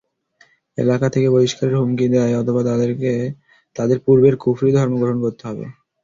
এলাকা থেকে বহিষ্কারের হুমকি দেয় অথবা তাদেরকে তাদের পূর্বের কুফরী ধর্ম গ্রহণ করতে হবে।